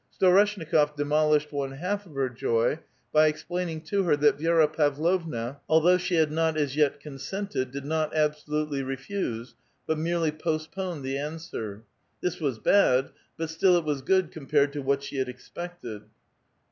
Sto reshnikof demolished one half of her joy by explaining to her that Vi6ra Pavlovna, although she had not as yet consented, did not absolutely refuse, but merely postponed the answer. This was bad ; but still it was good compared to what she had expected.